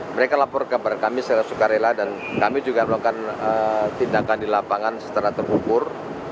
mereka lapor kepada kami secara sukarela dan kami juga melakukan tindakan di lapangan secara terukur